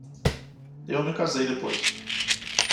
Eu me casei depois.